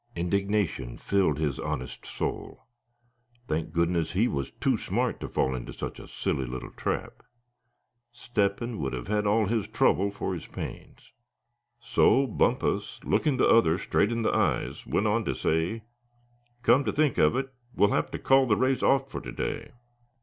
Indignation filled his honest soul. Thank goodness he was too smart to fall into such a silly little trap. Step hen would have had all his trouble for his pains. So Bumpus, looking the other straight in the eyes, went on to say: "Come to think of it, we'll have to call the race off for to day.